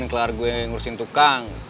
mungkin kelar gue ngurusin tukang